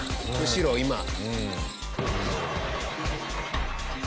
むしろ今。